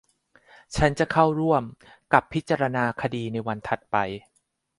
ฉันจะเข้าร่วมกับพิจารณาคดีในวันถัดไป